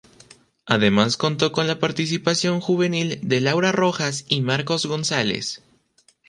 Además contó con la participación juvenil de Laura Rojas y Marcos González.